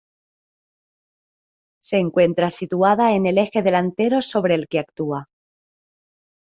Se encuentra situada en el eje delantero sobre el que actúa.